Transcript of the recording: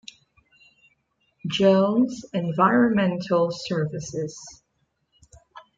Jones Environmental Services.